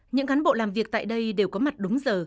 những cán bộ làm việc tại đây đều có mặt đúng giờ